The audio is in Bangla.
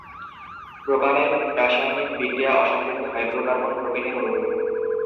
প্রোপানের রাসায়নিক বিক্রিয়া অসম্পৃক্ত হাইড্রোকার্বন প্রোপিনের অনুরূপ।